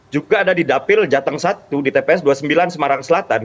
juga ada di dapil jateng satu di tps dua puluh sembilan semarang selatan